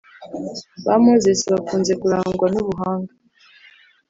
Ba Moses bakunze kurangwa n’ubuhanga